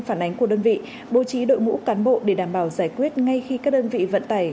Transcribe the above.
phản ánh của đơn vị bố trí đội ngũ cán bộ để đảm bảo giải quyết ngay khi các đơn vị vận tải